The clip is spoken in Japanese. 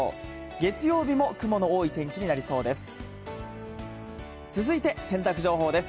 月曜日も雲の多い天気になりそうです。